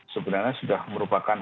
sebenarnya sudah merupakan